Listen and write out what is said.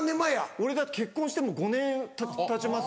俺だって結婚して５年たちます。